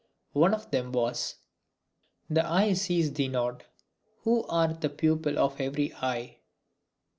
One of them was "The eye sees thee not, who art the pupil of every eye...."